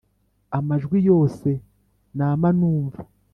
amajwi yose, nama numva